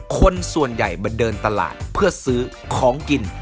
คนส่วนใหญ่มาเดินตลาดเพื่อซื้อของกิน